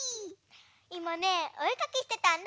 いまねおえかきしてたんだ。